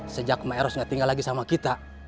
sejak maeros tidak tinggal lagi sama kita